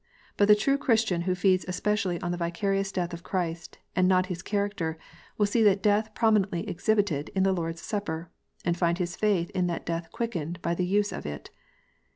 But the true Christian who feeds especially on the vicarious death of Christ, and not His cha racter, will see that death prominently exhibited in the Lord s Supper, and find his faith in that death quickened by the use of it.